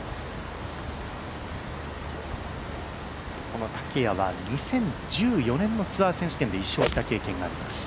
この竹谷は２０１４年のツアー選手権で１勝した経験があります。